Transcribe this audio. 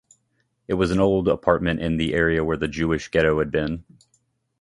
It was an old apartment in the area where the Jewish ghetto had been.